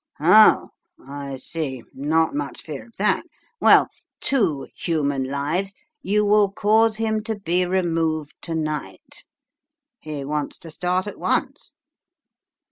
" Oh ! I see not much fear of that ; well ' two human lives, you will cause him to be removed to night.' (He wants to start at once.)